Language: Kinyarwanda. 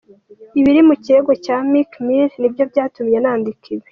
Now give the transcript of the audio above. Ibiri mu kirego cya Meek Mill nibyo byatumye nandika ibi.